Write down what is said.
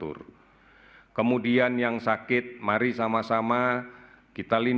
jangan sampai yang gampang tapi yang masih juga kita mahu milih